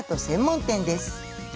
専門店です。